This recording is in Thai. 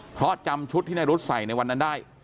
เพราะจำชุดที่นายรุธใส่ในวันนั้นได้